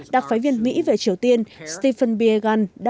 đặc phái viên mỹ về triều tiên stephen peer gọi là một người phát ngôn về triều tiên